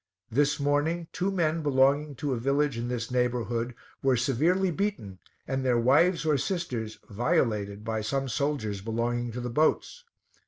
This morning, two men belonging to a village in this neighborhood, were severely beaten, and their wives or sisters violated by some soldiers belonging to the boats.